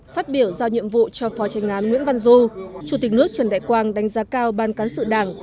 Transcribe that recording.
phát biểu giao nhiệm vụ cho phó tranh án nguyễn văn du chủ tịch nước trần đại quang đánh giá cao ban cán sự đảng